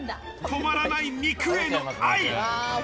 止まらない、肉への愛。